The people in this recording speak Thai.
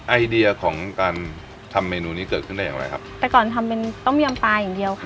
ไอเดียของการทำเมนูนี้เกิดขึ้นได้อย่างไรครับแต่ก่อนทำเป็นต้มยำปลาอย่างเดียวค่ะ